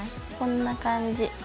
こんな感じ。